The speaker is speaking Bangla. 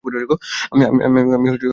আমি তার কাছে গিয়েছিলাম।